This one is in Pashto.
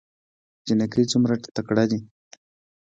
جينکۍ څومره تکړه دي